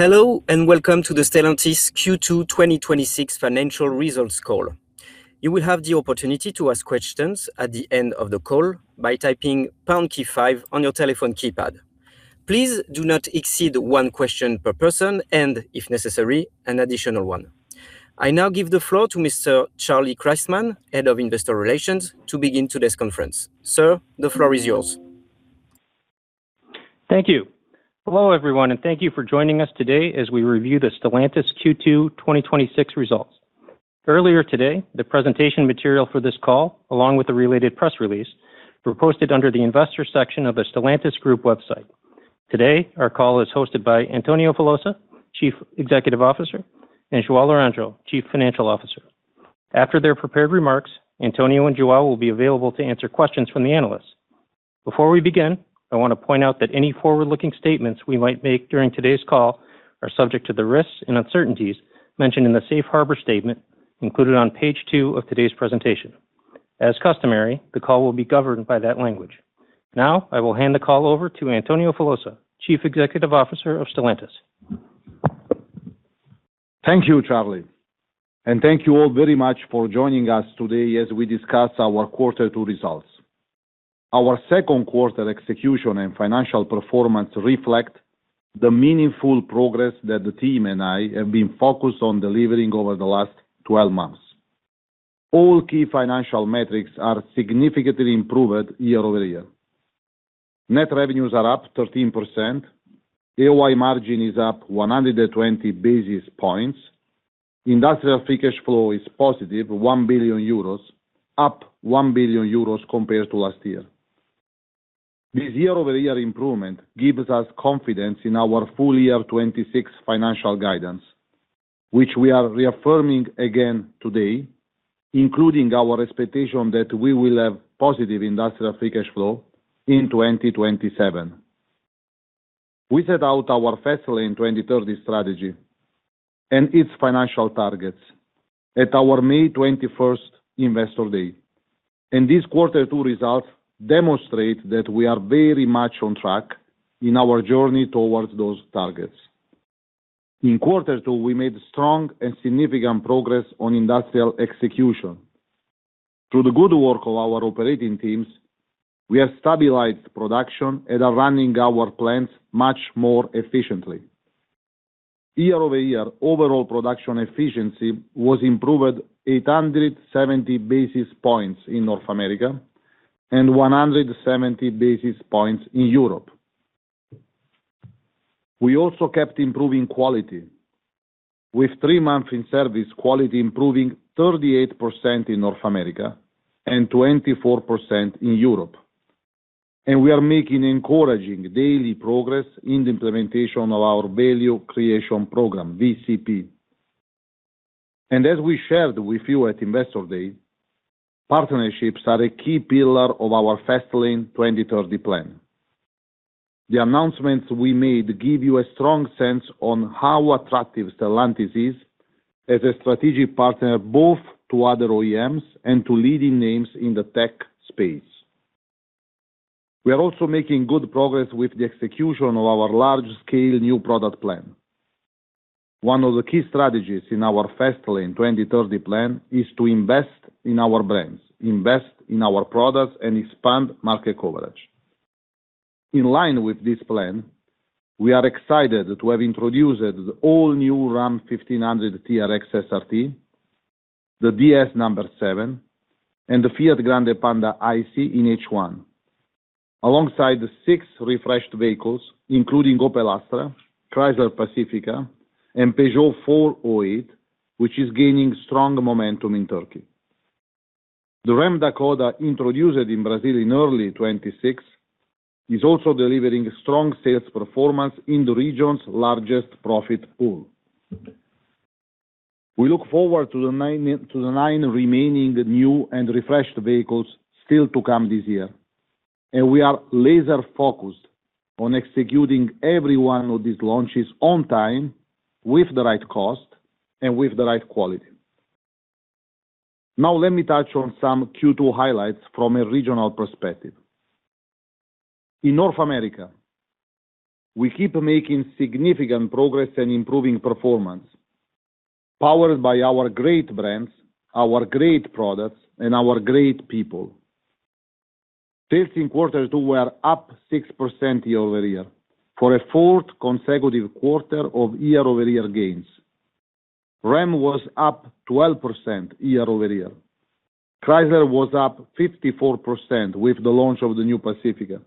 Hello, welcome to the Stellantis Q2 2026 financial results call. You will have the opportunity to ask questions at the end of the call by typing pound key five on your telephone keypad. Please do not exceed one question per person, and if necessary, an additional one. I now give the floor to Mr. Charles Christman, Head of Investor Relations, to begin today's conference. Sir, the floor is yours. Thank you. Hello, everyone, thank you for joining us today as we review the Stellantis Q2 2026 results. Earlier today, the presentation material for this call, along with the related press release, were posted under the investor section of the Stellantis group website. Today, our call is hosted by Antonio Filosa, Chief Executive Officer, and João Laranjo, Chief Financial Officer. After their prepared remarks, Antonio and João will be available to answer questions from the analysts. Before we begin, I want to point out that any forward-looking statements we might make during today's call are subject to the risks and uncertainties mentioned in the safe harbor statement included on page two of today's presentation. As customary, the call will be governed by that language. I will hand the call over to Antonio Filosa, Chief Executive Officer of Stellantis. Thank you, Charlie. Thank you all very much for joining us today as we discuss our quarter two results. Our second quarter execution and financial performance reflect the meaningful progress that the team and I have been focused on delivering over the last 12 months. All key financial metrics are significantly improved year-over-year. Net revenues are up 13%, AOI margin is up 120 basis points. Industrial free cash flow is positive €1 billion, up €1 billion compared to last year. This year-over-year improvement gives us confidence in our full year 2026 financial guidance, which we are reaffirming again today, including our expectation that we will have positive industrial free cash flow in 2027. We set out our FaSTLAne 2030 strategy. Its financial targets at our May 21st Investor Day, and these quarter two results demonstrate that we are very much on track in our journey towards those targets. In quarter two, we made strong and significant progress on industrial execution. Through the good work of our operating teams, we have stabilized production and are running our plants much more efficiently. Year-over-year, overall production efficiency was improved 870 basis points in North America and 170 basis points in Europe. We also kept improving quality, with three months in service quality improving 38% in North America and 24% in Europe. We are making encouraging daily progress in the implementation of our Value Creation Program, VCP. As we shared with you at Investor Day, partnerships are a key pillar of our FaSTLAne 2030 plan. The announcements we made give you a strong sense on how attractive Stellantis is as a strategic partner, both to other OEMs and to leading names in the tech space. We are also making good progress with the execution of our large-scale new product plan. One of the key strategies in our FaSTLAne 2030 plan is to invest in our brands, invest in our products, and expand market coverage. In line with this plan, we are excited to have introduced the all new Ram 1500 TRX SRT, the DS 7, and the Fiat Grande Panda ICE in H1. Alongside the six refreshed vehicles, including Opel Astra, Chrysler Pacifica, and Peugeot 408, which is gaining strong momentum in Turkey. The Ram Dakota, introduced in Brazil in early 2026, is also delivering strong sales performance in the region's largest profit pool. We look forward to the nine remaining new and refreshed vehicles still to come this year, and we are laser focused on executing every one of these launches on time, with the right cost, and with the right quality. Now let me touch on some Q2 highlights from a regional perspective. In North America, we keep making significant progress and improving performance, powered by our great brands, our great products, and our great people. Sales in quarter two were up 6% year-over-year for a fourth consecutive quarter of year-over-year gains. Ram was up 12% year-over-year. Chrysler was up 54% with the launch of the new Pacifica.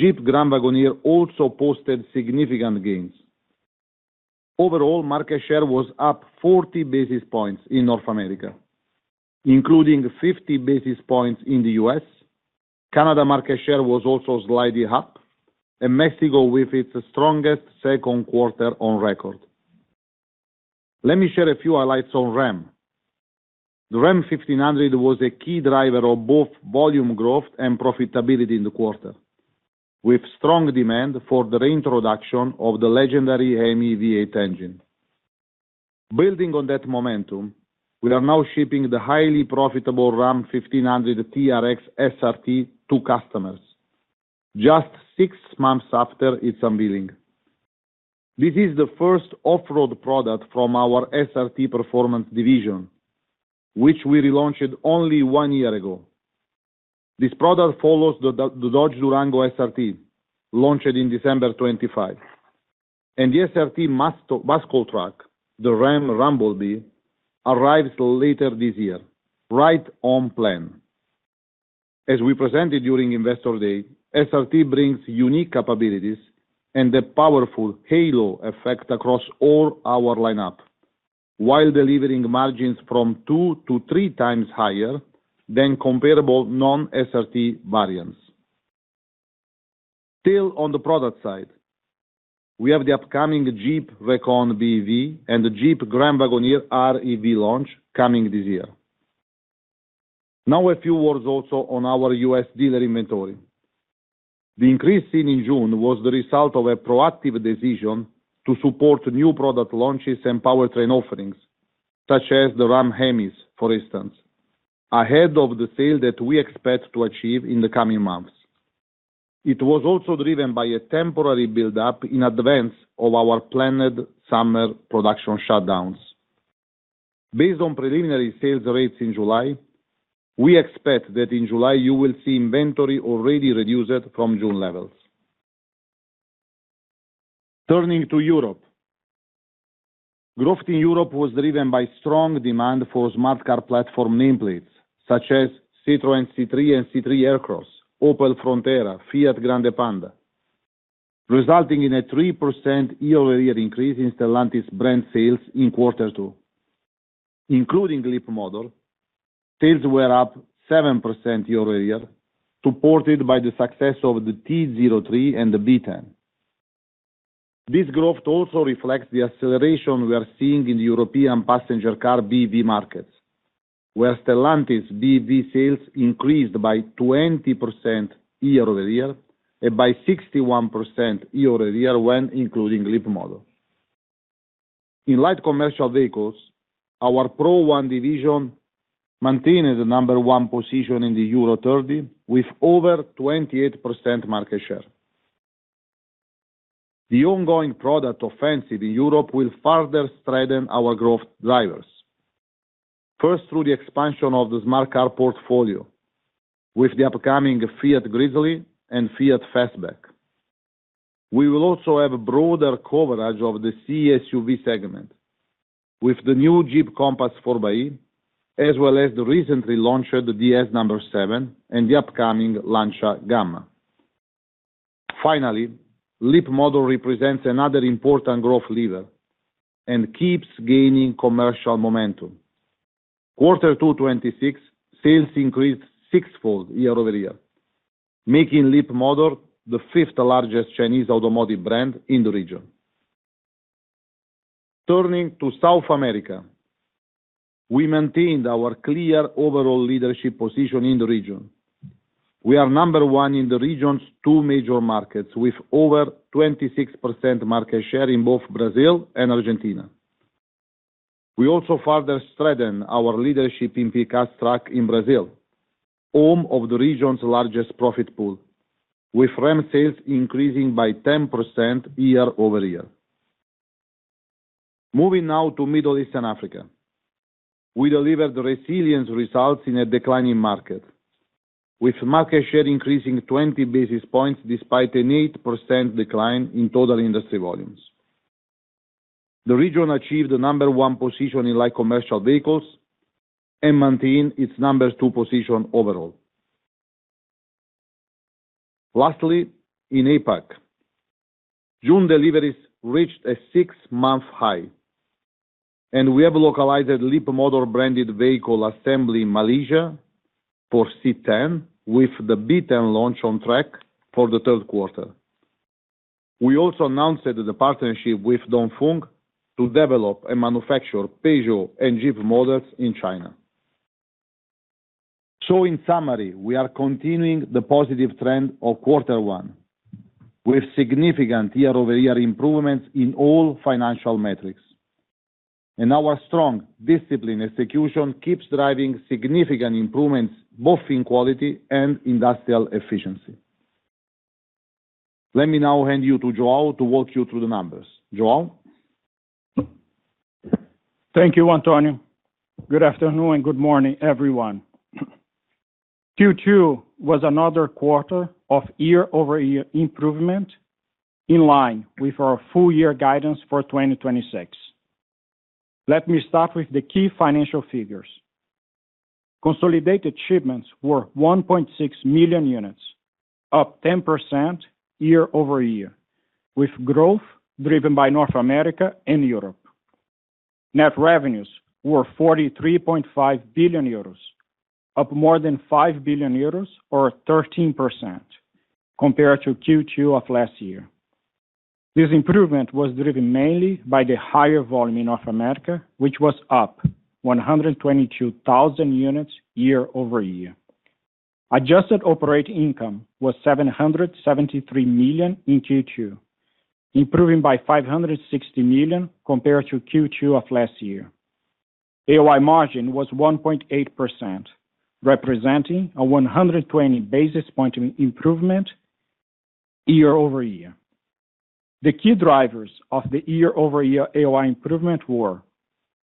Jeep Grand Wagoneer also posted significant gains. Overall, market share was up 40 basis points in North America, including 50 basis points in the U.S. Canada market share was also slightly up, and Mexico with its strongest second quarter on record. Let me share a few highlights on Ram. The Ram 1500 was a key driver of both volume growth and profitability in the quarter, with strong demand for the reintroduction of the legendary HEMI V8 engine. Building on that momentum, we are now shipping the highly profitable Ram 1500 TRX SRT to customers just six months after its unveiling. This is the first off-road product from our SRT performance division, which we relaunched only one year ago. This product follows the Dodge Durango SRT, launched in December 2025, and the SRT muscle truck, the Ram Rumble Bee, arrives later this year, right on plan. As we presented during Investor Day, SRT brings unique capabilities and a powerful halo effect across all our lineup, while delivering margins from two to three times higher than comparable non-SRT variants. Still on the product side, we have the upcoming Jeep Recon BEV and the Jeep Grand Wagoneer REV launch coming this year. Now a few words also on our U.S. dealer inventory. The increase seen in June was the result of a proactive decision to support new product launches and powertrain offerings such as the Ram HEMIs, for instance, ahead of the sale that we expect to achieve in the coming months. It was also driven by a temporary buildup in advance of our planned summer production shutdowns. Based on preliminary sales rates in July, we expect that in July you will see inventory already reduced from June levels. Turning to Europe. Growth in Europe was driven by strong demand for Smart Car platform nameplates such as Citroën C3 and C3 Aircross, Opel Frontera, Fiat Grande Panda, resulting in a 3% year-over-year increase in Stellantis brand sales in quarter two. Including Leapmotor, sales were up 7% year-over-year, supported by the success of the T03 and the B10. This growth also reflects the acceleration we are seeing in the European passenger car BEV markets. Where Stellantis BEV sales increased by 20% year-over-year and by 61% year-over-year when including Leapmotor. In light commercial vehicles, our Pro One division maintains the number one position in the EU30 with over 28% market share. The ongoing product offensive in Europe will further strengthen our growth drivers. First, through the expansion of the Smart Car portfolio with the upcoming Fiat Grizzly and Fiat Fastback. We will also have broader coverage of the C-SUV segment with the new Jeep Compass 4xe, as well as the recently launched DS 7 and the upcoming Lancia Gamma. Leapmotor represents another important growth lever and keeps gaining commercial momentum. Quarter 2 2026 sales increased sixfold year-over-year, making Leapmotor the fifth largest Chinese automotive brand in the region. Turning to South America. We maintained our clear overall leadership position in the region. We are number one in the region's two major markets, with over 26% market share in both Brazil and Argentina. We also further strengthened our leadership in pick-up trucks in Brazil, home of the region's largest profit pool, with Ram sales increasing by 10% year-over-year. Moving now to Middle East and Africa. We delivered resilient results in a declining market, with market share increasing 20 basis points despite an 8% decline in total industry volumes. The region achieved the number one position in light commercial vehicles and maintained its number two position overall. Lastly, in APAC, June deliveries reached a six-month high, and we have localized a Leapmotor-branded vehicle assembly in Malaysia for C10 with the B10 launch on track for the third quarter. We also announced the partnership with Dongfeng to develop and manufacture Peugeot and Jeep models in China. In summary, we are continuing the positive trend of quarter one with significant year-over-year improvements in all financial metrics. Our strong, disciplined execution keeps driving significant improvements both in quality and industrial efficiency. Let me now hand you to João to walk you through the numbers. João? Thank you, Antonio. Good afternoon and good morning, everyone. Q2 was another quarter of year-over-year improvement in line with our full year guidance for 2026. Let me start with the key financial figures. Consolidated shipments were 1.6 million units, up 10% year-over-year, with growth driven by North America and Europe. Net revenues were 43.5 billion euros, up more than 5 billion euros or 13% compared to Q2 of last year. This improvement was driven mainly by the higher volume in North America, which was up 122,000 units year-over-year. Adjusted operating income was 773 million in Q2, improving by 560 million compared to Q2 of last year. AOI margin was 1.8%, representing a 120 basis point improvement year-over-year. The key drivers of the year-over-year AOI improvement were: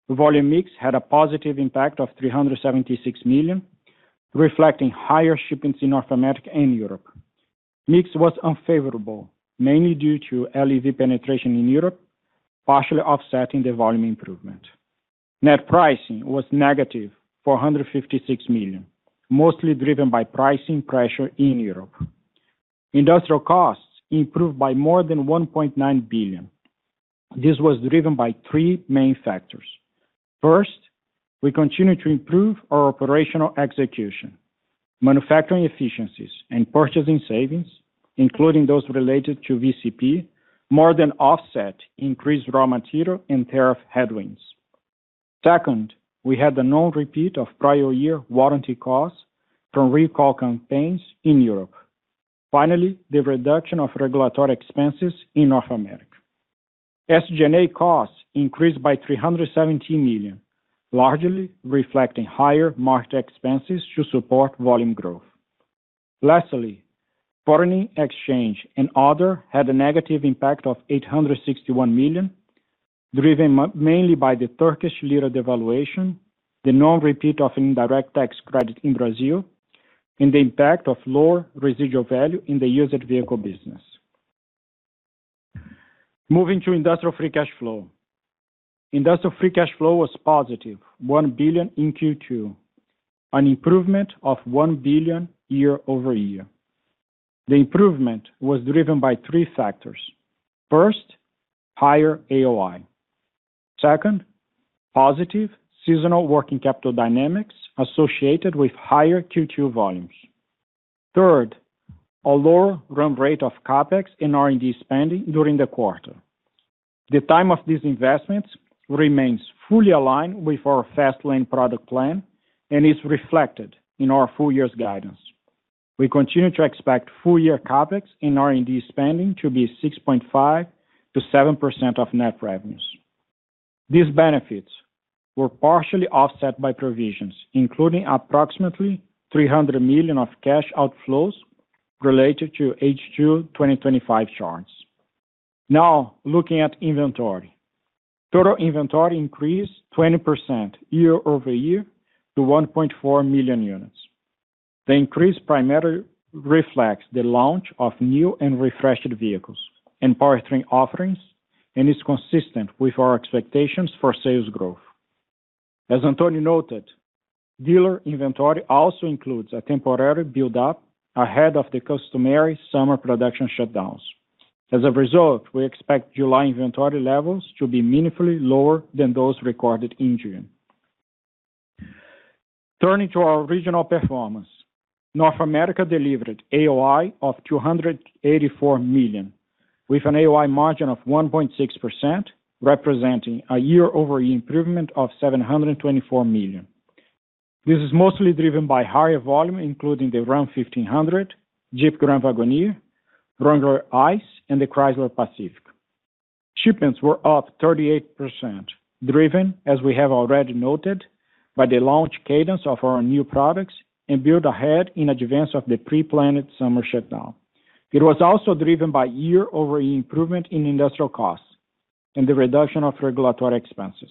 volume mix had a positive impact of 376 million, reflecting higher shipments in North America and Europe. Mix was unfavorable, mainly due to BEV penetration in Europe, partially offsetting the volume improvement. Net pricing was negative, 456 million, mostly driven by pricing pressure in Europe. Industrial costs improved by more than 1.9 billion. This was driven by three main factors. First, we continue to improve our operational execution. Manufacturing efficiencies and purchasing savings, including those related to VCP, more than offset increased raw material and tariff headwinds. Second, we had the non-repeat of prior year warranty costs from recall campaigns in Europe. Finally, the reduction of regulatory expenses in North America. SG&A costs increased by 317 million, largely reflecting higher market expenses to support volume growth. Lastly, foreign exchange and other had a negative impact of 861 million, driven mainly by the Turkish lira devaluation, the non-repeat of indirect tax credit in Brazil, and the impact of lower residual value in the used vehicle business. Moving to industrial free cash flow. Industrial free cash flow was positive, 1 billion in Q2, an improvement of 1 billion year-over-year. The improvement was driven by three factors. First, higher AOI. Second, positive seasonal working capital dynamics associated with higher Q2 volumes. Third, a lower run rate of CapEx and R&D spending during the quarter. The time of these investments remains fully aligned with our FastLane product plan and is reflected in our full year's guidance. We continue to expect full-year CapEx and R&D spending to be 6.5%-7% of net revenues. These benefits were partially offset by provisions, including approximately 300 million of cash outflows related to H2 2025 charges. Now looking at inventory. Total inventory increased 20% year-over-year to 1.4 million units. The increase primarily reflects the launch of new and refreshed vehicles and powertrain offerings, and is consistent with our expectations for sales growth. As Antonio noted, dealer inventory also includes a temporary buildup ahead of the customary summer production shutdowns. As a result, we expect July inventory levels to be meaningfully lower than those recorded in June. Turning to our regional performance. North America delivered AOI of 284 million, with an AOI margin of 1.6%, representing a year-over-year improvement of 724 million. This is mostly driven by higher volume, including the Ram 1500, Jeep Grand Wagoneer, Wrangler ICE, and the Chrysler Pacifica. Shipments were up 38%, driven, as we have already noted, by the launch cadence of our new products and build ahead in advance of the pre-planned summer shutdown. It was also driven by year-over-year improvement in industrial costs and the reduction of regulatory expenses.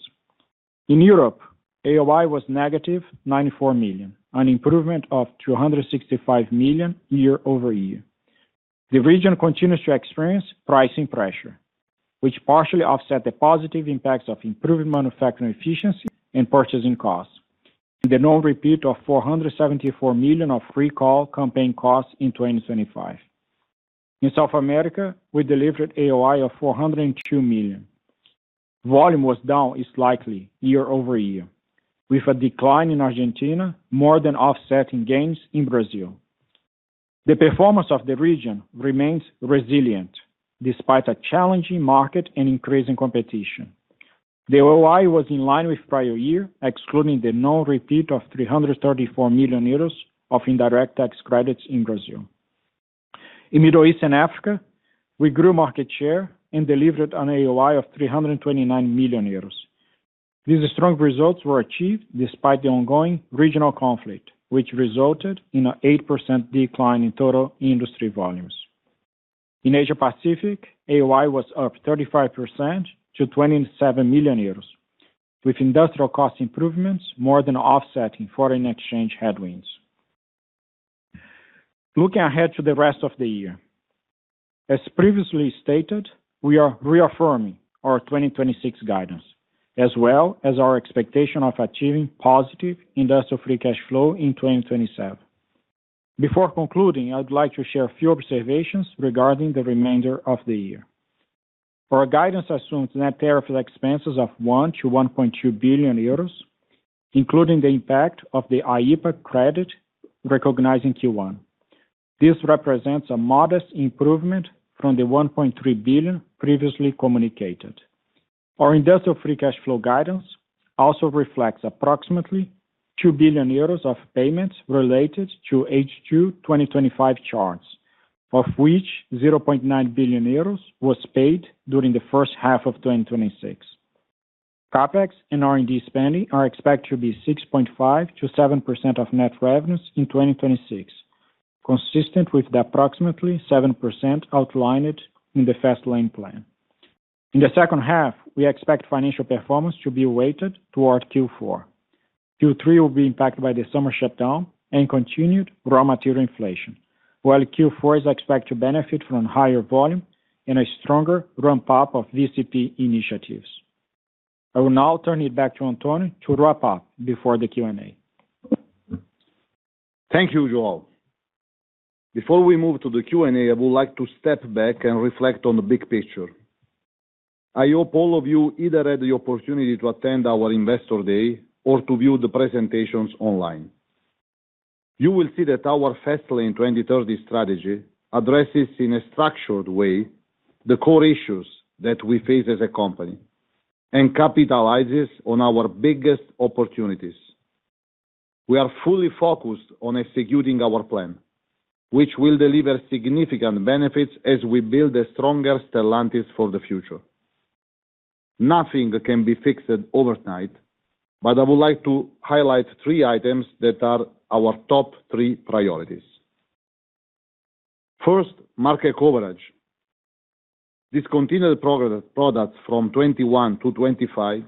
In Europe, AOI was negative, 94 million, an improvement of 265 million year-over-year. The region continues to experience pricing pressure, which partially offset the positive impacts of improved manufacturing efficiency and purchasing costs, and the non-repeat of 474 million of recall campaign costs in 2025. In South America, we delivered AOI of 402 million. Volume was down slightly year-over-year, with a decline in Argentina more than offsetting gains in Brazil. The performance of the region remains resilient despite a challenging market and increasing competition. The AOI was in line with prior year, excluding the non-repeat of 334 million euros of indirect tax credits in Brazil. In Middle East and Africa, we grew market share and delivered an AOI of 329 million euros. These strong results were achieved despite the ongoing regional conflict, which resulted in an 8% decline in total industry volumes. In Asia Pacific, AOI was up 35% to 27 million euros, with industrial cost improvements more than offsetting foreign exchange headwinds. Looking ahead to the rest of the year. As previously stated, we are reaffirming our 2026 guidance, as well as our expectation of achieving positive industrial free cash flow in 2027. Before concluding, I would like to share a few observations regarding the remainder of the year. Our guidance assumes net tariff expenses of 1 billion-1.2 billion euros, including the impact of the IEEPA credit recognized in Q1. This represents a modest improvement from the 1.3 billion previously communicated. Our industrial free cash flow guidance also reflects approximately 2 billion euros of payments related to H2 2025 charges, of which 0.9 billion euros was paid during the first half of 2026. CapEx and R&D spending are expected to be 6.5%-7% of net revenues in 2026, consistent with the approximately 7% outlined in the FastLane plan. In the second half, we expect financial performance to be weighted toward Q4. Q3 will be impacted by the summer shutdown and continued raw material inflation, while Q4 is expected to benefit from higher volume and a stronger ramp-up of VCP initiatives. I will now turn it back to Antonio to wrap up before the Q&A. Thank you, João. Before we move to the Q&A, I would like to step back and reflect on the big picture. I hope all of you either had the opportunity to attend our Investor Day or to view the presentations online. You will see that our FastLane 2030 strategy addresses, in a structured way, the core issues that we face as a company and capitalizes on our biggest opportunities. We are fully focused on executing our plan, which will deliver significant benefits as we build a stronger Stellantis for the future. Nothing can be fixed overnight, but I would like to highlight three items that are our top three priorities. First, market coverage. Discontinued products from 2021-2025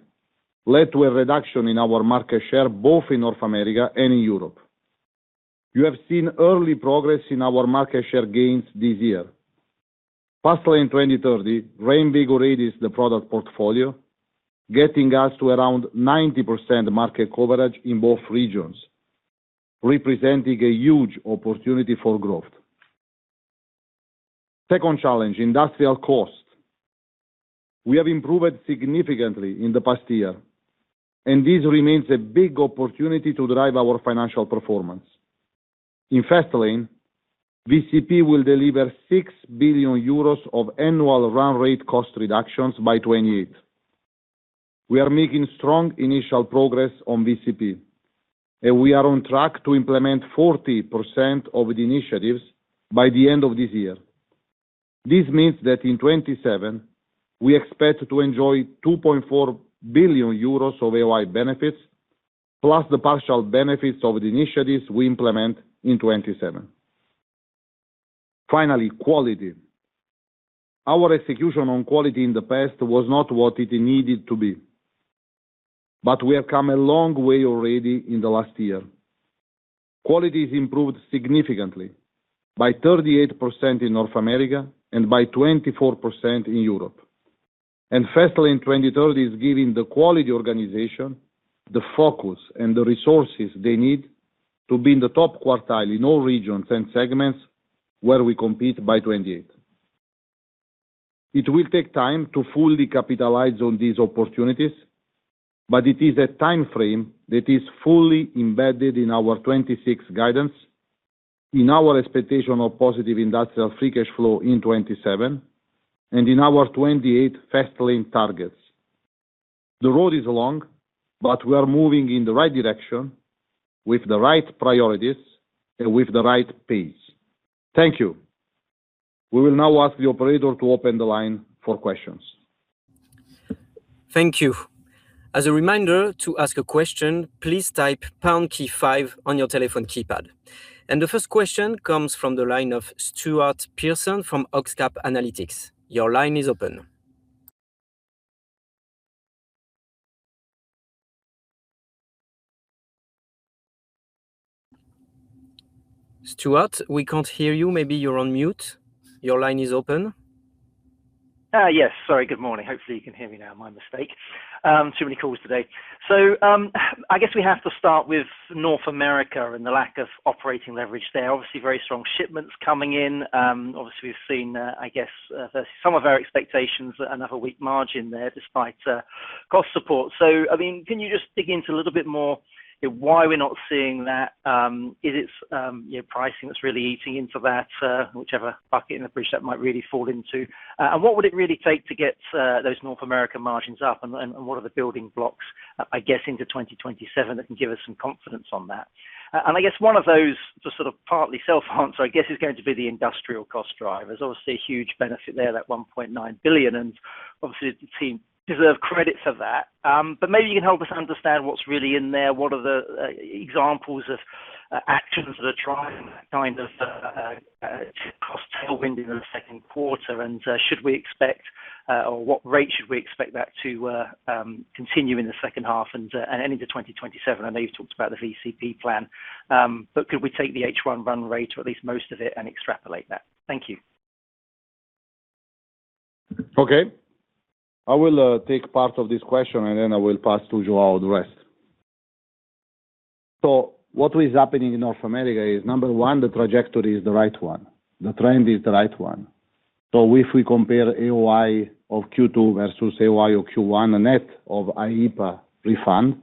led to a reduction in our market share, both in North America and in Europe. You have seen early progress in our market share gains this year. FastLane 2030 reinvigorates the product portfolio, getting us to around 90% market coverage in both regions, representing a huge opportunity for growth. Second challenge, industrial cost. We have improved significantly in the past year, and this remains a big opportunity to drive our financial performance. In FastLane, VCP will deliver 6 billion euros of annual run rate cost reductions by 2028. We are making strong initial progress on VCP, and we are on track to implement 40% of the initiatives by the end of this year. This means that in 2027, we expect to enjoy 2.4 billion euros of AOI benefits, plus the partial benefits of the initiatives we implement in 2027. Finally, quality. Our execution on quality in the past was not what it needed to be, but we have come a long way already in the last year. Quality has improved significantly by 38% in North America and by 24% in Europe. FaSTLAne 2030 is giving the quality organization the focus and the resources they need to be in the top quartile in all regions and segments where we compete by 2028. It will take time to fully capitalize on these opportunities, but it is a time frame that is fully embedded in our 2026 guidance, in our expectation of positive industrial free cash flow in 2027, and in our 2028 FaSTLAne targets. The road is long, but we are moving in the right direction with the right priorities and with the right pace. Thank you. We will now ask the operator to open the line for questions. Thank you. As a reminder, to ask a question, please type pound key five on your telephone keypad. The first question comes from the line of Stuart Pearson from Oxcap Analytics. Your line is open. Stuart, we can't hear you. Maybe you're on mute. Your line is open. Yes. Sorry. Good morning. Hopefully, you can hear me now. My mistake. Too many calls today. I guess we have to start with North America and the lack of operating leverage there. Very strong shipments coming in. We've seen, I guess, some of our expectations, another weak margin there despite cost support. Can you just dig into a little bit more why we're not seeing that? Is it pricing that's really eating into that, whichever bucket and the bridge that might really fall into? What would it really take to get those North America margins up? What are the building blocks, I guess, into 2027 that can give us some confidence on that? I guess one of those just sort of partly self-answer, I guess, is going to be the industrial cost drivers. Obviously, a huge benefit there, that 1.9 billion. The team deserve credit for that. Maybe you can help us understand what's really in there. What are the examples of actions that are driving that kind of cost tailwind in the second quarter? Should we expect, or what rate should we expect that to continue in the second half and into 2027? I know you've talked about the VCP plan. Could we take the H1 run rate, or at least most of it, and extrapolate that? Thank you. Okay. I will take part of this question, I will pass to João the rest. What is happening in North America is, number one, the trajectory is the right one. The trend is the right one. If we compare AOI of Q2 versus AOI of Q1, the net of IEEPA refund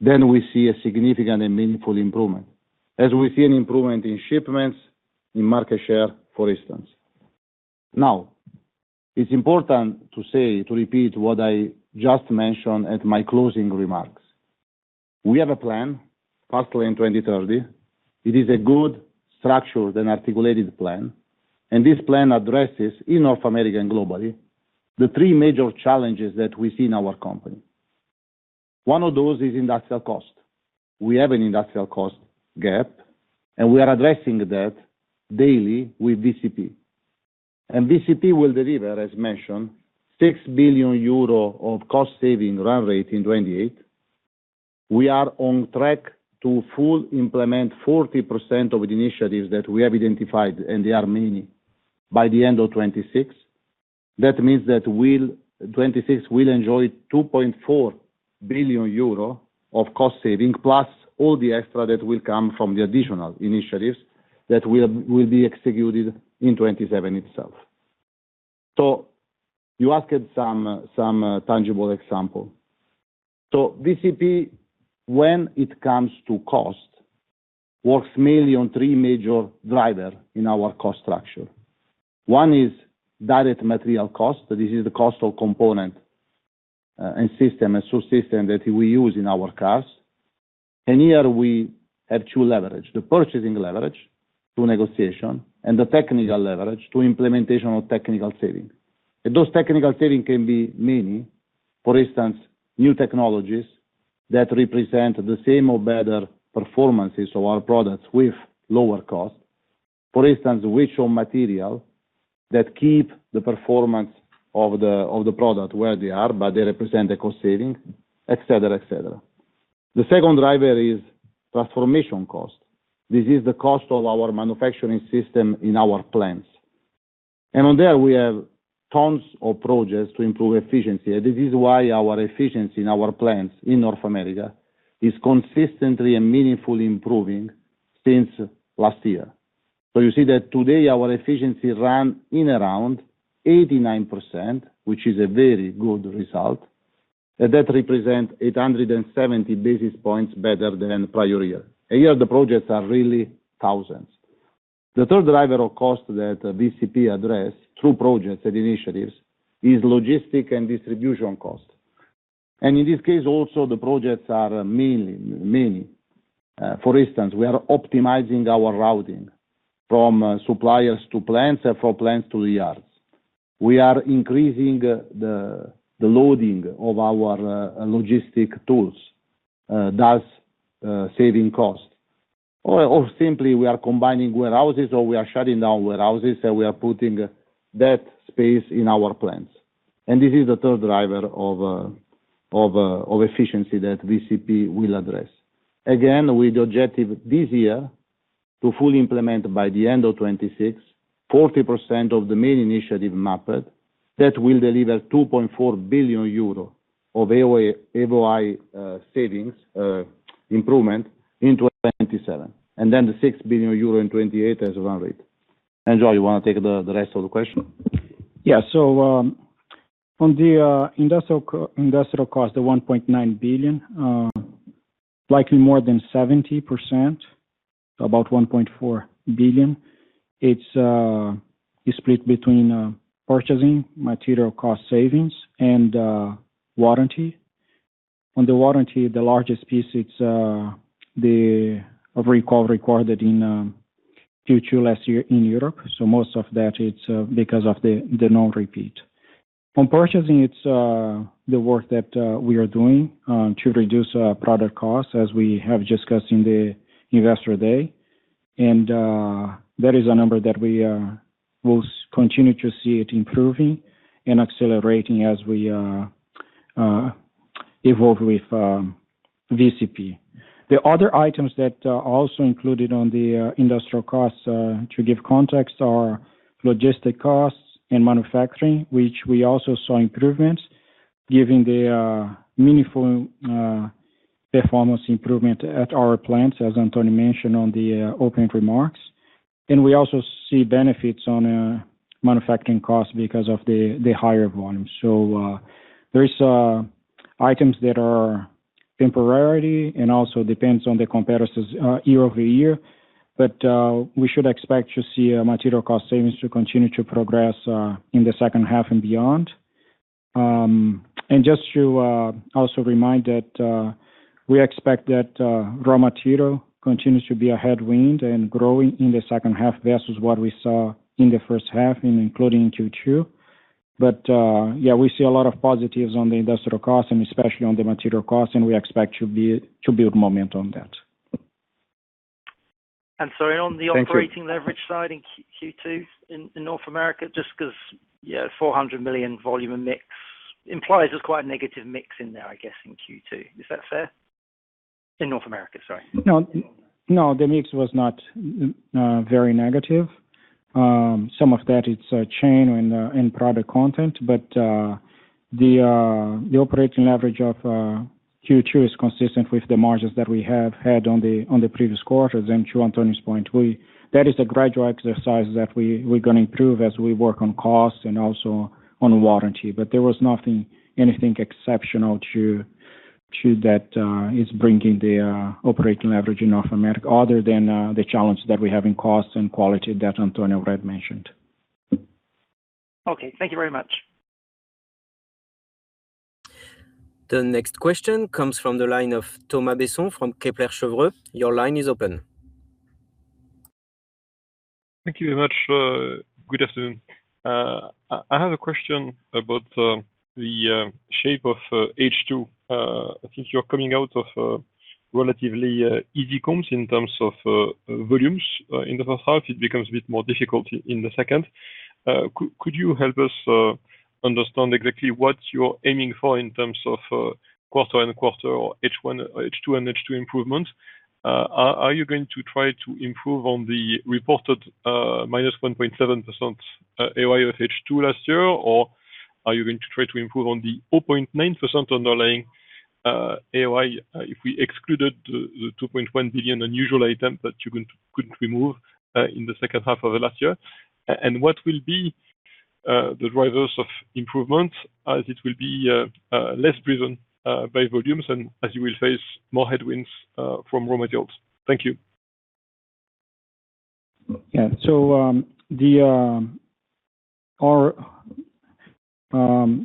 we see a significant and meaningful improvement, as we see an improvement in shipments, in market share, for instance. It's important to repeat what I just mentioned at my closing remarks. We have a plan, pathway in 2030. It is a good structured and articulated plan. This plan addresses, in North America and globally, the three major challenges that we see in our company. One of those is industrial cost. We have an industrial cost gap, and we are addressing that daily with VCP. VCP will deliver, as mentioned, 6 billion euro of cost saving run rate in 2028. We are on track to full implement 40% of initiatives that we have identified, and they are many, by the end of 2026. That means that 2026 will enjoy 2.4 billion euro of cost saving, plus all the extra that will come from the additional initiatives that will be executed in 2027 itself. You asked some tangible example. VCP, when it comes to cost, works mainly on three major driver in our cost structure. One is direct material cost. This is the cost of component and system that we use in our cars. Here we have two leverage, the purchasing leverage to negotiation and the technical leverage to implementational technical saving. Those technical saving can be many. For instance, new technologies that represent the same or better performances of our products with lower cost. For instance, we use material that keep the performance of the product where they are, but they represent the cost saving, et cetera. The second driver is transformation cost. This is the cost of our manufacturing system in our plants. On there, we have tons of projects to improve efficiency. This is why our efficiency in our plants in North America is consistently and meaningfully improving since last year. You see that today our efficiency run in around 89%, which is a very good result, and that represent 870 basis points better than prior year. Here the projects are really thousands. The third driver of cost that VCP address through projects and initiatives is logistic and distribution cost. In this case also the projects are many. For instance, we are optimizing our routing from suppliers to plants and from plants to yards. We are increasing the loading of our logistic tools, thus saving cost. Simply we are combining warehouses, or we are shutting down warehouses, and we are putting that space in our plants. This is the third driver of efficiency that VCP will address. Again, with the objective this year to fully implement by the end of 2026, 40% of the main initiative mapped that will deliver 2.4 billion euro of AOI savings improvement in 2027. Then the 6 billion euro in 2028 as run rate. João, you want to take the rest of the question? On the industrial cost, 1.9 billion, likely more than 70%, about 1.4 billion, it's split between purchasing material cost savings and warranty. On the warranty, the largest piece it's the recall required that in Q2 last year in Europe. Most of that it's because of the no repeat. On purchasing, it's the work that we are doing to reduce product costs, as we have discussed in the Investor Day That is a number that we will continue to see it improving and accelerating as we evolve with VCP. The other items that are also included on the industrial costs to give context are logistic costs and manufacturing, which we also saw improvements given the meaningful performance improvement at our plants, as Antonio mentioned on the opening remarks. We also see benefits on manufacturing cost because of the higher volume. There is items that are temporarily and also depends on the comparisons year-over-year. We should expect to see material cost savings to continue to progress in the second half and beyond. Just to also remind that we expect that raw material continues to be a headwind and growing in the second half versus what we saw in the first half and including in Q2. We see a lot of positives on the industrial cost and especially on the material cost, and we expect to build momentum on that. On the operating leverage side in Q2 in North America, just because 400 million volume and mix implies there's quite a negative mix in there, I guess, in Q2. Is that fair? In North America, sorry. The mix was not very negative. Some of that it's a chain and product content, but the operating leverage of Q2 is consistent with the margins that we have had on the previous quarters. To Antonio's point, that is a gradual exercise that we're going to improve as we work on costs and also on warranty. There was nothing, anything exceptional to that is bringing the operating leverage in automatic, other than the challenge that we have in cost and quality that Antonio already mentioned. Okay. Thank you very much. The next question comes from the line of Thomas Besson from Kepler Cheuvreux. Your line is open. Thank you very much. Good afternoon. I have a question about the shape of H2. Since you are coming out of relatively easy comps in terms of volumes in the first half, it becomes a bit more difficult in the second. Could you help us understand exactly what you are aiming for in terms of quarter-on-quarter or H2-on-H2 improvements? Are you going to try to improve on the reported -1.7% AOI H2 last year, or are you going to try to improve on the 0.9% underlying AOI, if we excluded the 2.1 billion unusual item that you couldn't remove in the second half of last year? What will be the drivers of improvement as it will be less driven by volumes and as you will face more headwinds from raw materials? Thank you. Our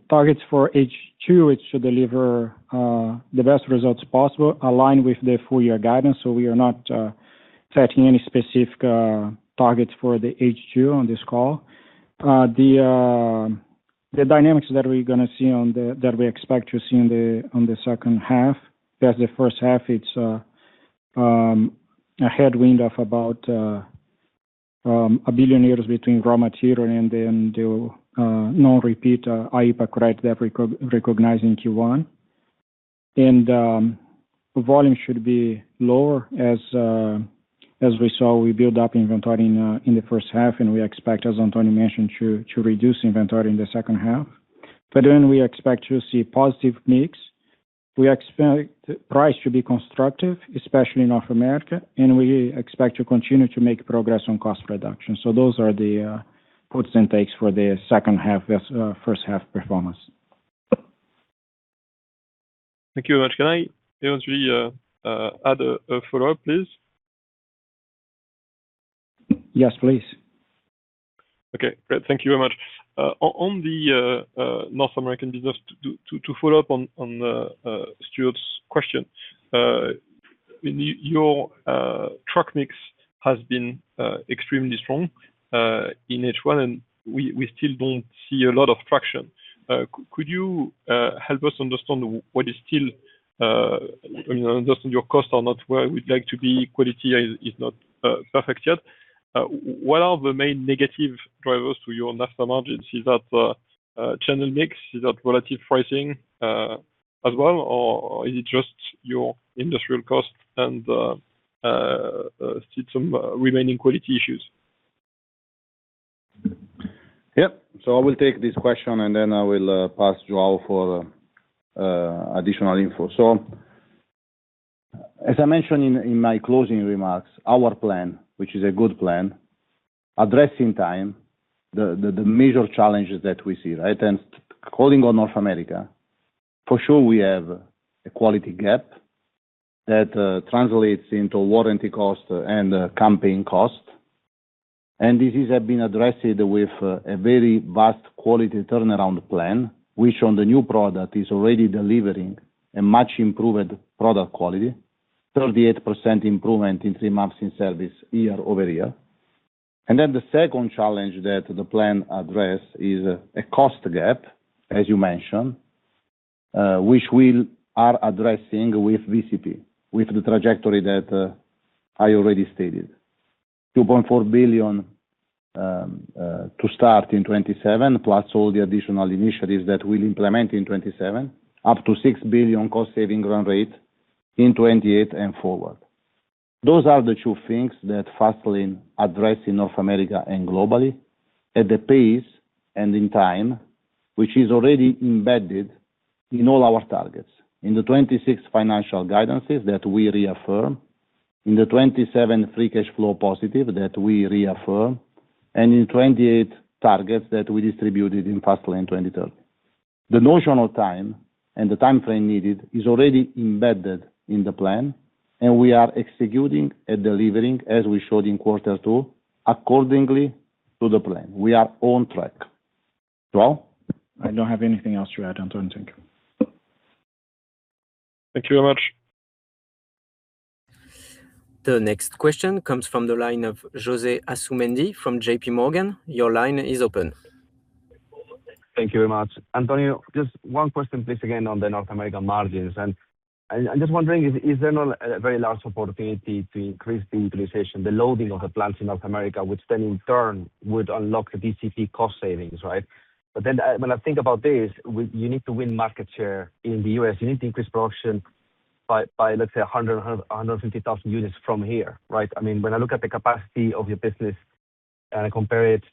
targets for H2, it should deliver the best results possible, aligned with the full-year guidance. We are not setting any specific targets for the H2 on this call. The dynamics that we expect to see on the second half, versus the first half, it's a headwind of about 1 billion euros between raw material and then the non-repeat IEEPA tariff refund we recognized in Q1. Volume should be lower, as we saw, we build up inventory in the first half, and we expect, as Antonio mentioned, to reduce inventory in the second half. We expect to see positive mix. We expect price to be constructive, especially in North America, and we expect to continue to make progress on cost reduction. Those are the puts and takes for the second half versus first half performance. Thank you very much. Can I eventually add a follow-up, please? Yes, please. Okay, great. Thank you very much. On the North American business, to follow up on Stuart's question. Your truck mix has been extremely strong in H1. We still don't see a lot of traction. Could you help us understand your costs are not where we'd like to be, quality is not perfect yet. What are the main negative drivers to your North Star margins? Is that channel mix? Is that relative pricing as well? Is it just your industrial costs and still some remaining quality issues? Yep. I will take this question, and then I will pass João for additional info. As I mentioned in my closing remarks, our plan, which is a good plan, address in time the major challenges that we see, right? Calling on North America, for sure, we have a quality gap that translates into warranty cost and campaign cost. This has been addressed with a very vast quality turnaround plan, which on the new product, is already delivering a much-improved product quality, 38% improvement in three months in service year-over-year. The second challenge that the plan address is a cost gap, as you mentioned, which we are addressing with VCP, with the trajectory that I already stated. $2.4 billion to start in 2027, plus all the additional initiatives that we'll implement in 2027, up to $6 billion cost saving run rate in 2028 and forward. Those are the two things that FaSTLAne address in North America and globally at a pace and in time, which is already embedded in all our targets. In the 2026 financial guidances that we reaffirm, in the 2027 free cash flow positive that we reaffirm, and in 2028 targets that we distributed in FaSTLAne 2030. The notional time and the timeframe needed is already embedded in the plan, and we are executing and delivering, as we showed in quarter two, accordingly to the plan. We are on track. João? I don't have anything else to add, Antonio. Thank you. Thank you very much. The next question comes from the line of José Asumendi from JPMorgan. Your line is open. Thank you very much. Antonio, just one question please, again, on the North American margins. I am just wondering, is there not a very large opportunity to increase the utilization, the loading of the plants in North America, which then in turn would unlock the VCP cost savings, right? When I think about this, you need to win market share in the U.S. You need to increase production by, let's say, 150,000 units from here, right? When I look at the capacity of your business and I compare it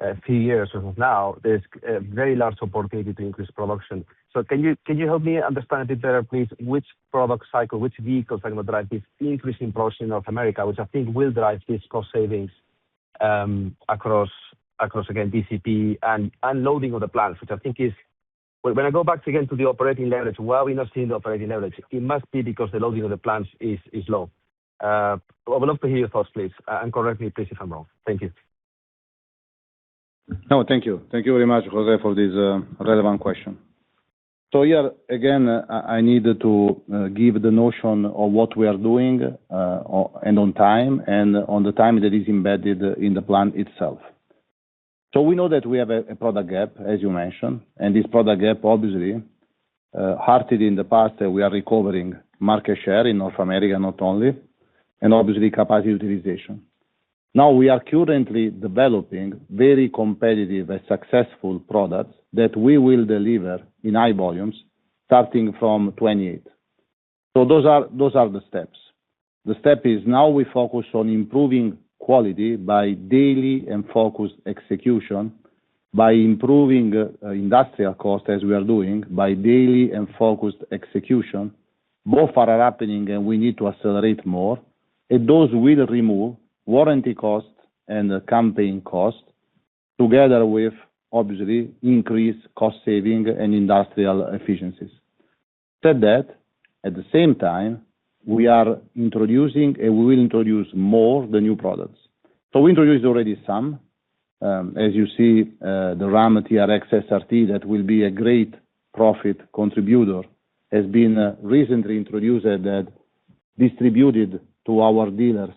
a few years versus now, there is a very large opportunity to increase production. Can you help me understand a bit better, please, which product cycle, which vehicles are going to drive this increase in production in North America, which I think will drive these cost savings? Across, again, VCP and unloading of the plants, which I think is when I go back again to the operating leverage, why are we not seeing the operating leverage? It must be because the loading of the plants is low. I would love to hear your thoughts, please. Correct me, please, if I am wrong. Thank you. Thank you. Thank you very much, José, for this relevant question. Yeah, again, I need to give the notion of what we are doing, and on time, and on the time that is embedded in the plan itself. We know that we have a product gap, as you mentioned, and this product gap, obviously, hurted in the past, and we are recovering market share in North America, not only, and obviously capacity utilization. We are currently developing very competitive and successful products that we will deliver in high volumes, starting from 2028. Those are the steps. The step is now we focus on improving quality by daily and focused execution, by improving industrial cost, as we are doing, by daily and focused execution. Both are happening, we need to accelerate more, and those will remove warranty costs and campaign costs together with, obviously, increased cost saving and industrial efficiencies. Said that, at the same time, we are introducing and we will introduce more the new products. We introduced already some. As you see, the Ram TRX SRT, that will be a great profit contributor, has been recently introduced and distributed to our dealers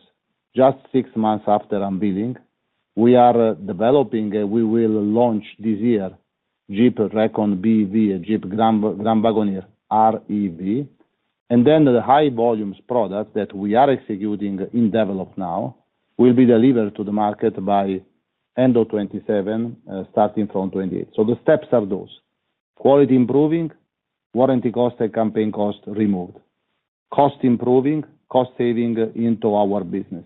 just six months after unveiling. We are developing, and we will launch this year Jeep Recon BEV and Jeep Grand Wagoneer REV. The high volumes product that we are executing in develop now will be delivered to the market by end of 2027, starting from 2028. The steps are those. Quality improving, warranty cost and campaign cost removed. Cost improving, cost saving into our business,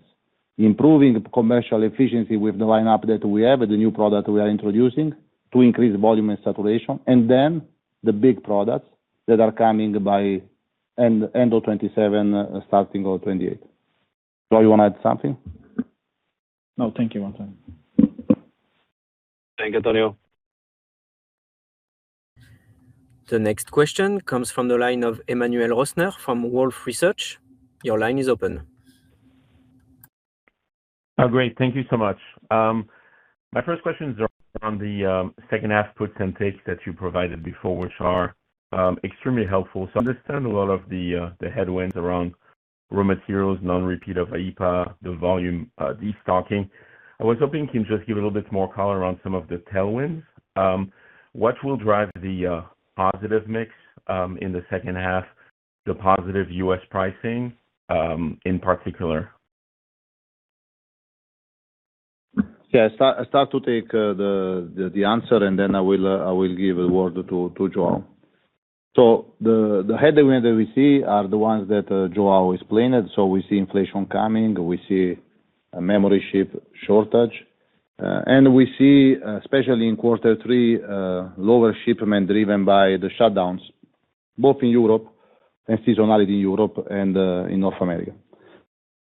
improving commercial efficiency with the lineup that we have, the new product we are introducing to increase volume and saturation, the big products that are coming by end of 2027, starting 2028. João, you want to add something? No, thank you, Antonio. Thank you, Antonio. The next question comes from the line of Emmanuel Rosner from Wolfe Research. Your line is open. Oh, great. Thank you so much. My first question is on the second half put templates that you provided before, which are extremely helpful. I understand a lot of the headwinds around raw materials, non-repeat of IEEPA, the volume destocking. I was hoping you can just give a little bit more color on some of the tailwinds. What will drive the positive mix in the second half, the positive U.S. pricing, in particular? Yeah. I start to take the answer, and then I will give a word to João. The headwind that we see are the ones that João explained. We see inflation coming, we see a memory chip shortage, and we see, especially in quarter three, lower shipment driven by the shutdowns, both in Europe and seasonality in Europe and in North America.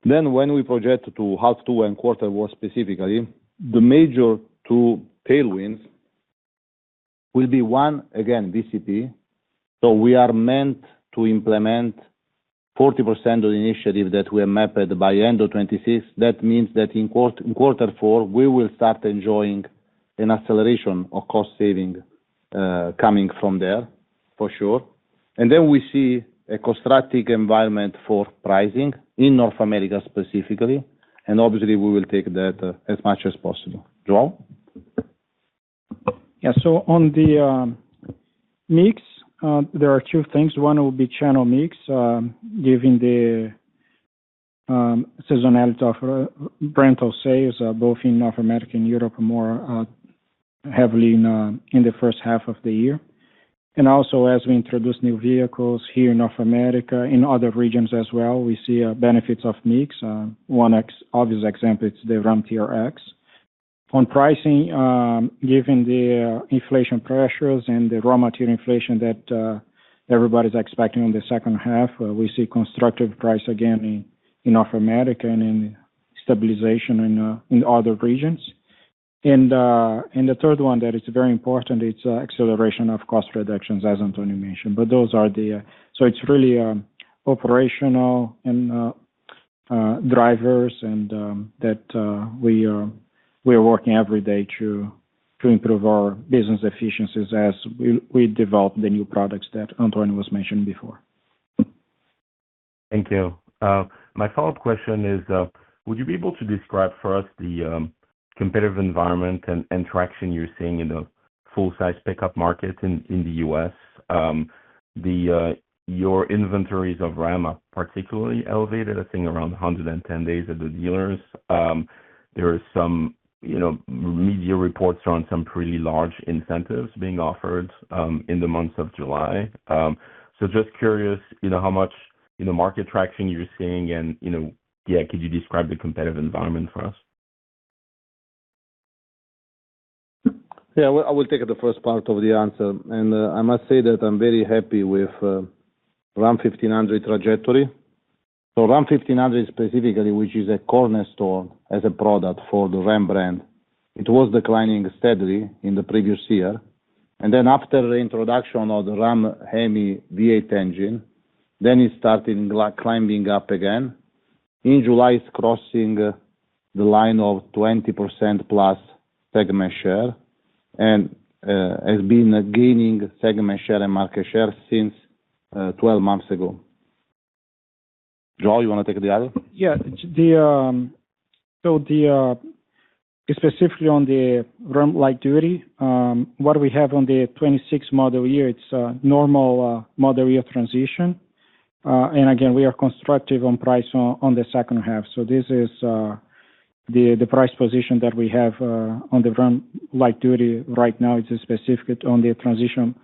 When we project to half two and quarter one specifically, the major two tailwinds will be one, again, VCP. We are meant to implement 40% of the initiative that we have mapped by end of 2026. That means that in quarter four, we will start enjoying an acceleration of cost saving coming from there, for sure. We see a constructive environment for pricing in North America specifically, and obviously, we will take that as much as possible. João? Yeah. On the mix, there are two things. One will be channel mix, given the seasonality of rental sales, both in North America and Europe, more heavily in the first half of the year. As we introduce new vehicles here in North America, in other regions as well, we see benefits of mix. One obvious example is the Ram TRX. On pricing, given the inflation pressures and the raw material inflation that everybody's expecting in the second half, we see constructive price again in North America and in stabilization in other regions. The third one that is very important, it's acceleration of cost reductions, as Antonio mentioned. It's really operational drivers that we are working every day to improve our business efficiencies as we develop the new products that Antonio was mentioning before. Thank you. My follow-up question is, would you be able to describe for us the competitive environment and traction you're seeing in the full size pickup market in the U.S.? Your inventories of Ram are particularly elevated, I think around 110 days at the dealers. There are some media reports on some pretty large incentives being offered in the month of July. Just curious, how much market traction you're seeing and could you describe the competitive environment for us? I will take the first part of the answer. I must say that I'm very happy with Ram 1500 trajectory. Ram 1500 specifically, which is a cornerstone as a product for the Ram brand, it was declining steadily in the previous year. After the introduction of the Ram HEMI V8 engine, it started climbing up again. In July, it's crossing the line of 20% plus segment share, and has been gaining segment share and market share since 12 months ago. João, you want to take the other? Specifically on the Ram Light Duty, what we have on the 2026 model year, it's a normal model year transition. Again, we are constructive on price on the second half. This is the price position that we have on the Ram Light Duty right now. It's specific on the transition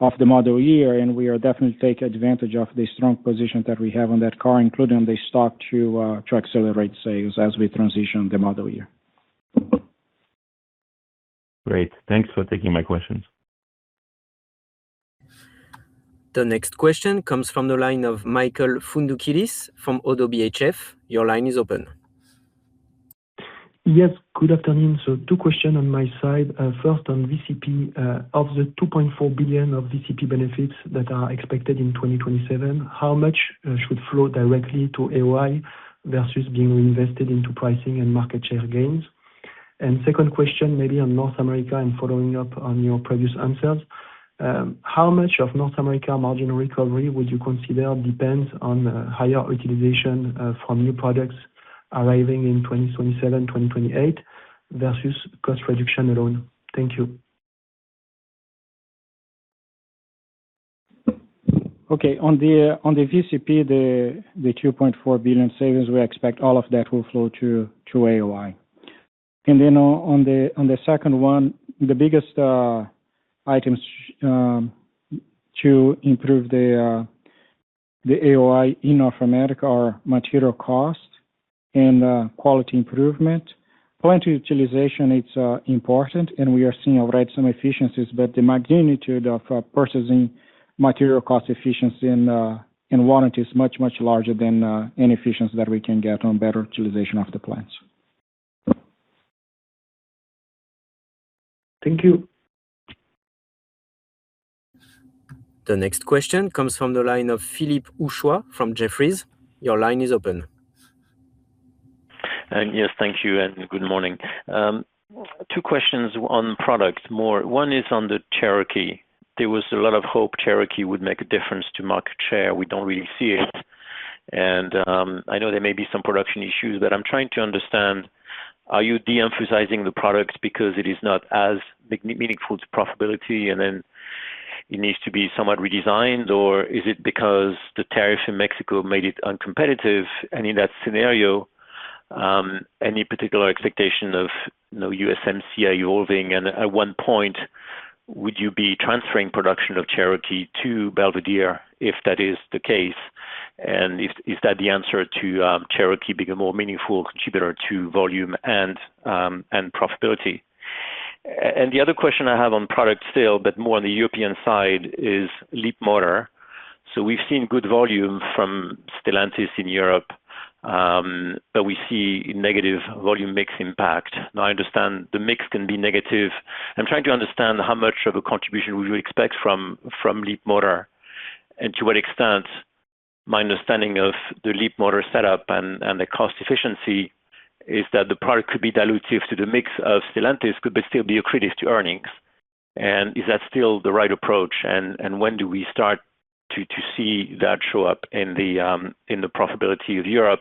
of the model year, and we are definitely taking advantage of the strong position that we have on that car, including the stock, to accelerate sales as we transition the model year. Great. Thanks for taking my questions. The next question comes from the line of Michael Foundoukidis from ODDO BHF. Your line is open. Yes, good afternoon. Two questions on my side. First, on VCP. Of the 2.4 billion of VCP benefits that are expected in 2027, how much should flow directly to AOI versus being invested into pricing and market share gains? Second question, maybe on North America and following up on your previous answers. How much of North America margin recovery would you consider depends on higher utilization from new products arriving in 2027, 2028, versus cost reduction alone? Thank you. Okay. On the VCP, the 2.4 billion savings, we expect all of that will flow through AOI. On the second one, the biggest items to improve the AOI in North America are material cost and quality improvement. Plant utilization, it's important, and we are seeing already some efficiencies, but the magnitude of purchasing material cost efficiency in warranty is much, much larger than any efficiency that we can get on better utilization of the plants. Thank you. The next question comes from the line of Philippe Houchois from Jefferies. Your line is open. Yes. Thank you and good morning. Two questions on product more. One is on the Cherokee. There was a lot of hope Cherokee would make a difference to market share. We don't really see it. I know there may be some production issues, but I'm trying to understand, are you de-emphasizing the product because it is not as meaningful to profitability and then it needs to be somewhat redesigned, or is it because the tariff in Mexico made it uncompetitive? In that scenario, any particular expectation of USMCA evolving and at one point, would you be transferring production of Cherokee to Belvidere, if that is the case? Is that the answer to Cherokee being a more meaningful contributor to volume and profitability? The other question I have on product still, but more on the European side, is Leapmotor. We've seen good volume from Stellantis in Europe, but we see negative volume mix impact. I understand the mix can be negative. I'm trying to understand how much of a contribution would you expect from Leapmotor, and to what extent my understanding of the Leapmotor setup and the cost efficiency is that the product could be dilutive to the mix of Stellantis, could they still be accretive to earnings, and is that still the right approach and when do we start to see that show up in the profitability of Europe?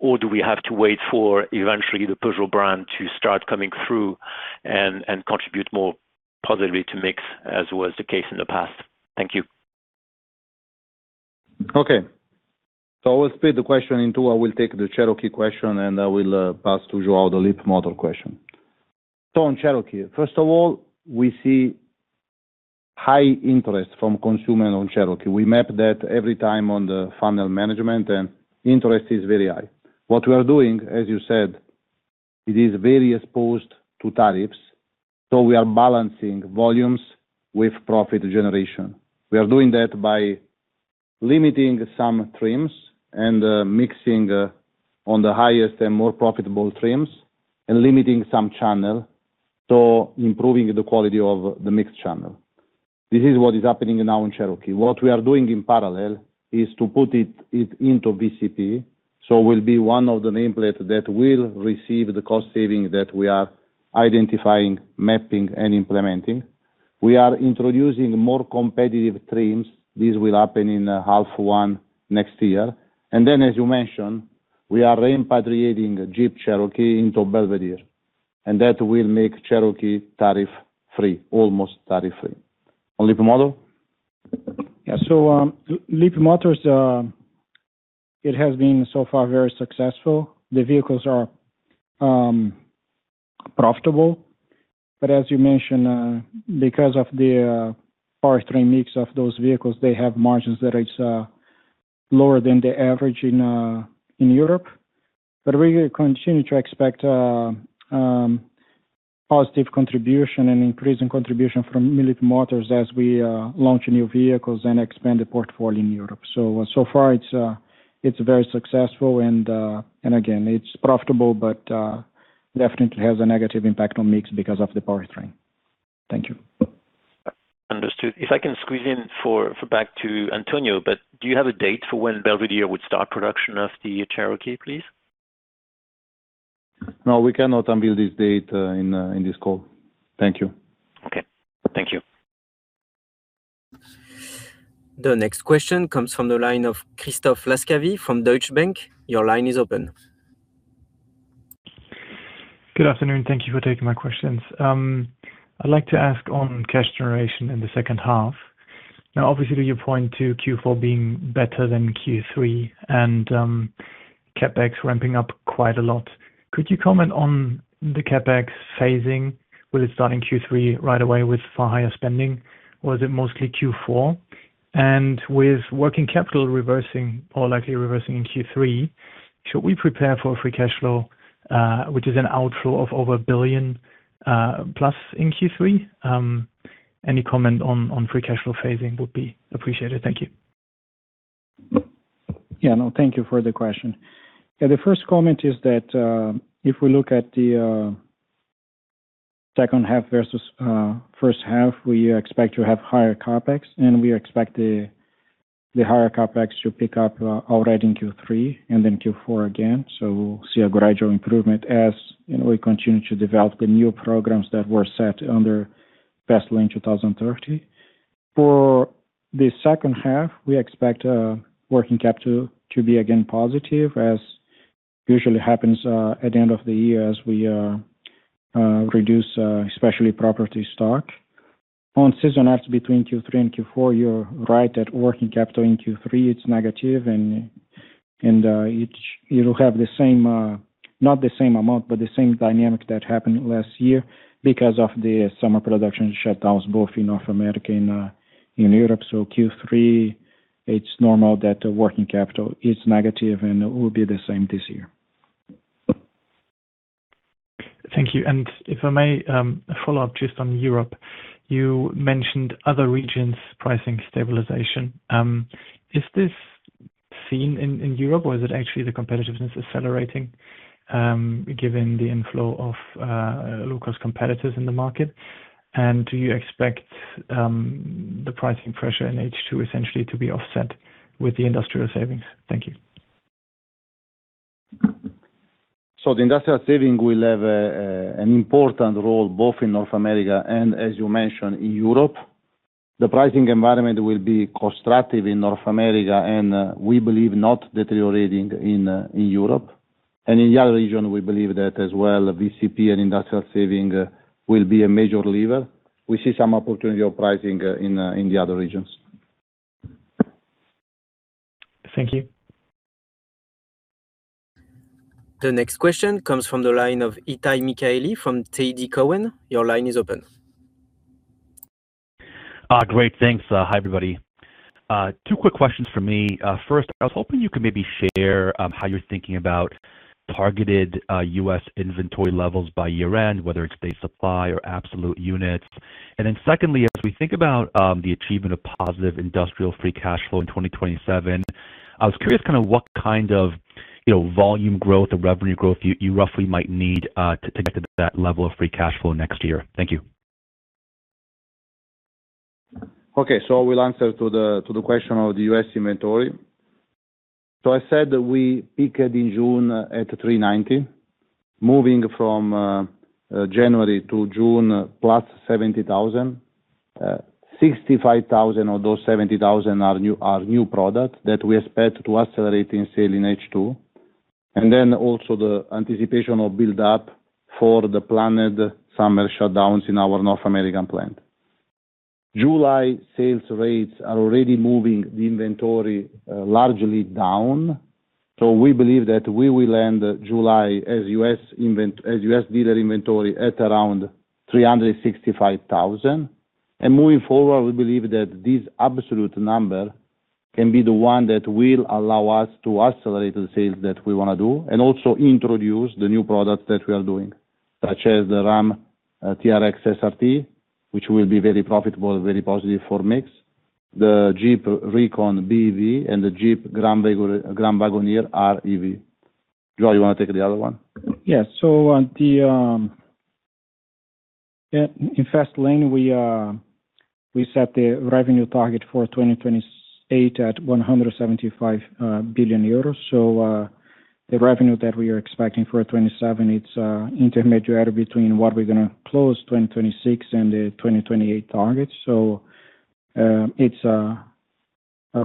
Do we have to wait for eventually the Peugeot brand to start coming through and contribute more positively to mix as was the case in the past? Thank you. Okay. I will split the question in two. I will take the Cherokee question, and I will pass to João the Leapmotor question. On Cherokee, first of all, we see high interest from consumer on Cherokee. We map that every time on the funnel management, and interest is very high. What we are doing, as you said, it is very exposed to tariffs. We are balancing volumes with profit generation. We are doing that by limiting some trims and mixing on the highest and more profitable trims and limiting some channel, so improving the quality of the mix channel. This is what is happening now in Cherokee. What we are doing in parallel is to put it into VCP, so will be one of the nameplate that will receive the cost saving that we are identifying, mapping, and implementing. We are introducing more competitive trims. This will happen in half one next year. As you mentioned, we are repatriating Jeep Cherokee into Belvidere, and that will make Cherokee tariff-free, almost tariff-free. On Leapmotor. Yeah. Leapmotor, it has been so far very successful. The vehicles are profitable, but as you mentioned, because of the powertrain mix of those vehicles, they have margins that is lower than the average in Europe. We continue to expect positive contribution and increasing contribution from Leapmotor as we launch new vehicles and expand the portfolio in Europe. So far it's very successful and, again, it's profitable, but definitely has a negative impact on mix because of the powertrain. Thank you. Understood. If I can squeeze in for back to Antonio, do you have a date for when Belvidere would start production of the Cherokee, please? No, we cannot unveil this date in this call. Thank you. Okay. Thank you. The next question comes from the line of Christoph Laskawi from Deutsche Bank. Your line is open. Good afternoon. Thank you for taking my questions. I'd like to ask on cash generation in the second half. Obviously, you point to Q4 being better than Q3 and CapEx ramping up quite a lot. Could you comment on the CapEx phasing? Will it start in Q3 right away with far higher spending, or is it mostly Q4? With working capital reversing or likely reversing in Q3, should we prepare for a free cash flow, which is an outflow of over 1 billion plus in Q3? Any comment on free cash flow phasing would be appreciated. Thank you. Thank you for the question. The first comment is that, if we look at the second half versus first half, we expect to have higher CapEx, and we expect the higher CapEx to pick up already in Q3 and then Q4 again. We'll see a gradual improvement as we continue to develop the new programs that were set under FaSTLAne 2030. For the second half, we expect working capital to be again positive, as usually happens, at the end of the year as we reduce, especially property stock. On seasonality between Q3 and Q4, you're right that working capital in Q3, it's negative and it will have the same not the same amount, but the same dynamic that happened last year because of the summer production shutdowns, both in North America and Europe. Q3, it's normal that the working capital is negative and will be the same this year. Thank you. If I may, follow up just on Europe. You mentioned other regions' pricing stabilization. Is this seen in Europe, or is it actually the competitiveness accelerating, given the inflow of low-cost competitors in the market? Do you expect the pricing pressure in H2 essentially to be offset with the industrial savings? Thank you. The industrial saving will have an important role both in North America and as you mentioned, in Europe. The pricing environment will be constructive in North America and we believe not deteriorating in Europe. In the other region, we believe that as well, VCP and industrial saving will be a major lever. We see some opportunity of pricing in the other regions. Thank you. The next question comes from the line of Itay Michaeli from TD Cowen. Your line is open. Great. Thanks. Hi, everybody. Two quick questions for me. First, I was hoping you could maybe share how you're thinking about targeted U.S. inventory levels by year-end, whether it's base supply or absolute units. Secondly, as we think about the achievement of positive industrial free cash flow in 2027, I was curious kind of what kind of volume growth or revenue growth you roughly might need, to get to that level of free cash flow next year. Thank you. Okay. I will answer to the question of the U.S. inventory. I said we peaked in June at 390, moving from January to June plus 70,000. 65,000 of those 70,000 are new products that we expect to accelerate in sale in H2. Also the anticipation of build-up for the planned summer shutdowns in our North American plant. July sales rates are already moving the inventory largely down. We believe that we will end July as U.S. dealer inventory at around 365,000. Moving forward, we believe that this absolute number can be the one that will allow us to accelerate the sales that we want to do, and also introduce the new products that we are doing, such as the Ram TRX SRT, which will be very profitable, very positive for mix, the Jeep Recon BEV and the Jeep Grand Wagoneer REV. João, you want to take the other one? Yeah. In FastLane, we set the revenue target for 2028 at 175 billion euros. The revenue that we are expecting for 2027, it's intermediary between what we're going to close 2026 and the 2028 targets. It's a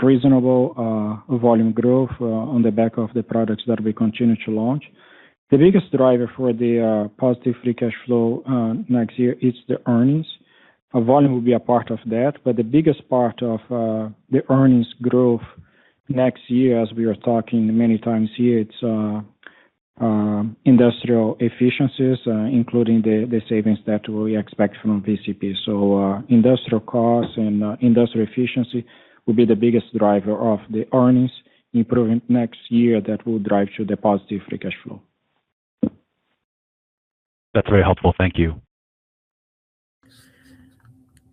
reasonable volume growth on the back of the products that we continue to launch. The biggest driver for the positive free cash flow next year is the earnings. Volume will be a part of that, but the biggest part of the earnings growth next year, as we are talking many times here, it's industrial efficiencies, including the savings that we expect from PCP. Industrial costs and industrial efficiency will be the biggest driver of the earnings improvement next year that will drive to the positive free cash flow. That's very helpful. Thank you.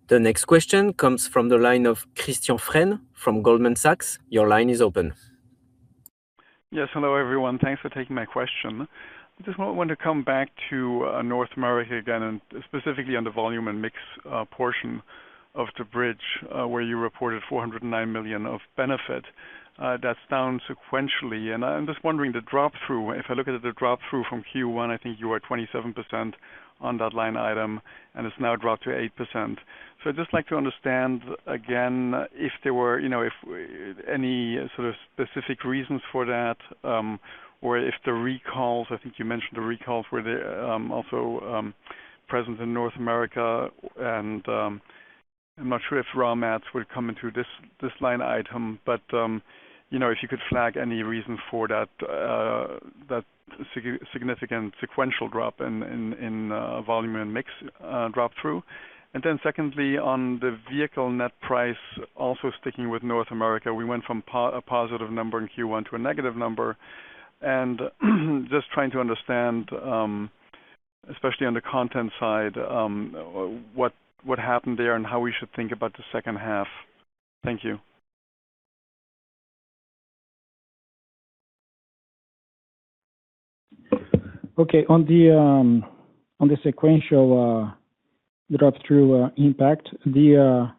The next question comes from the line of Christian Fren, from Goldman Sachs. Your line is open. Yes. Hello, everyone. Thanks for taking my question. I just want to come back to North America again, and specifically on the volume and mix portion of the bridge, where you reported 409 million of benefit. That's down sequentially. I'm just wondering the drop-through, if I look at the drop-through from Q1, I think you were 27% on that line item, and it's now dropped to 8%. Just like to understand again, if any sort of specific reasons for that, or if the recalls, I think you mentioned the recalls, were also present in North America, and, I'm not sure if raw materials would come into this line item, but if you could flag any reason for that significant sequential drop in volume and mix drop-through. Secondly, on the vehicle net price, also sticking with North America, we went from a positive number in Q1 to a negative number. Just trying to understand, especially on the content side, what happened there and how we should think about the second half. Thank you. Okay. On the sequential drop-through impact, the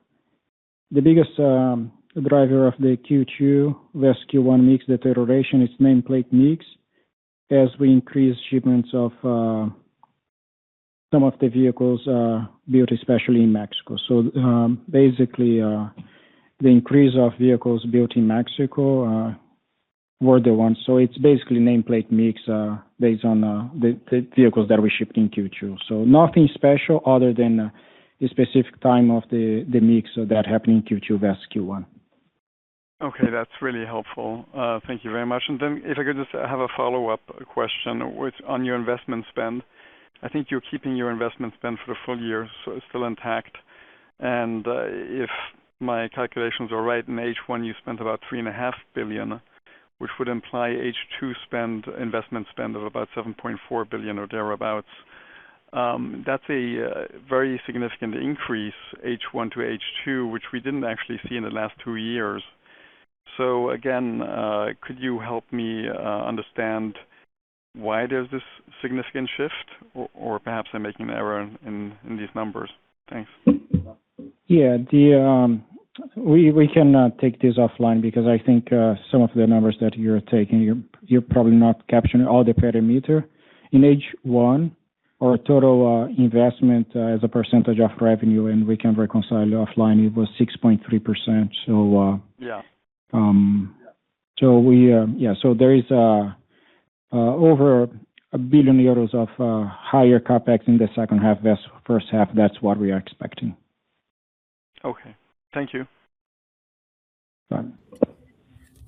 biggest driver of the Q2 versus Q1 mix deterioration is nameplate mix, as we increase shipments of some of the vehicles built, especially in Mexico. Basically, the increase of vehicles built in Mexico were the ones. It's basically nameplate mix based on the vehicles that we shipped in Q2. Nothing special other than the specific time of the mix that happened in Q2 versus Q1. Okay. That's really helpful. Thank you very much. If I could just have a follow-up question on your investment spend. I think you're keeping your investment spend for the full year still intact. If my calculations are right, in H1, you spent about 3 and a half billion, which would imply H2 investment spend of about 7.4 billion or thereabouts. That's a very significant increase, H1 to H2, which we didn't actually see in the last two years. Again, could you help me understand why there's this significant shift? Or perhaps I'm making an error in these numbers. Thanks. Yeah. We can take this offline because I think some of the numbers that you're taking, you're probably not capturing all the parameter. In H1, our total investment as a percentage of revenue, and we can reconcile offline, it was 6.3%. Yeah. Yeah, there is over 1 billion euros of higher CapEx in the second half versus first half. That's what we are expecting. Okay. Thank you. Bye.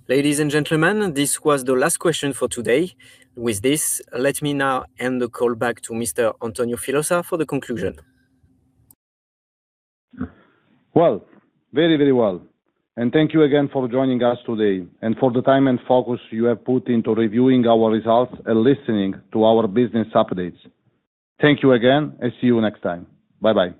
Ladies and gentlemen, this was the last question for today. With this, let me now hand the call back to Mr. Antonio Filosa for the conclusion. Well. Very, very well. Thank you again for joining us today and for the time and focus you have put into reviewing our results and listening to our business updates. Thank you again and see you next time. Bye-bye.